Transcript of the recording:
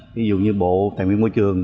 ví dụ như bộ thành viên môi trường